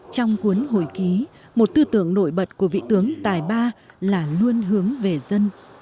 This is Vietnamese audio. trong cuốn hồi ký một tư tưởng nổi bật của vị tướng tài ba là luôn hướng về dân